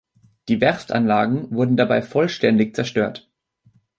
Die Werftanlagen wurden dabei vollständig zerstört.